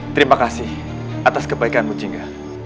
terima kasih atas kebaikanmu jinga